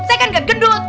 saya kan gak gendut